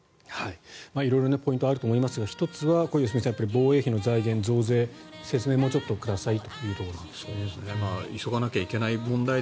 色々ポイントはあると思いますが１つは良純さん防衛費の財源、増税説明、もうちょっとくださいと。